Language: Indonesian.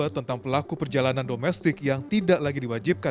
tentang pelaku perjalanan domestik yang tidak lagi diwajibkan